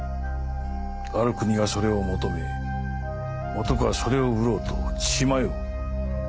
ある国がそれを求め男はそれを売ろうと血迷う。